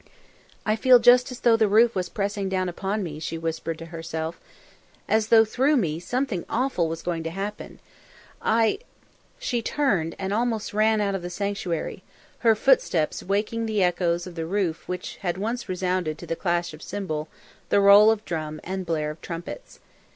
"I feel just as though the roof was pressing down upon me," she whispered to herself. "As though, through me, something awful was going to happen. I " She turned, and almost ran out of the sanctuary, her footsteps waking the echoes of the roof which once had resounded to the clash of cymbal, the roll of drum and blare of trumpets.